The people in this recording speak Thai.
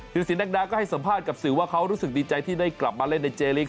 สินดังดาก็ให้สัมภาษณ์กับสื่อว่าเขารู้สึกดีใจที่ได้กลับมาเล่นในเจลิก